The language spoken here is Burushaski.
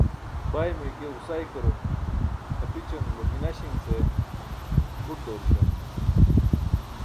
baymo ike ġusaykaro tʰapićanulo minaśiṅ ce buṭ dooruśam